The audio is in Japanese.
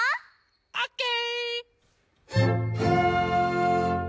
オッケー！